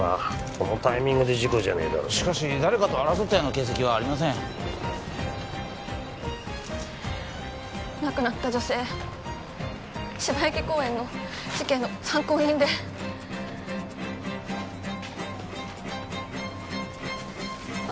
このタイミングで事故じゃねえだろ・しかし誰かと争ったような形跡はありません亡くなった女性芝池公園の事件の参考人であ